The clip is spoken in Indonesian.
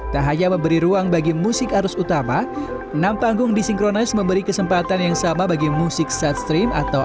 tak hanya memberi ruang bagi musik arus utama enam panggung di synchronize memberi kesempatan yang sama bagi musik side stream atau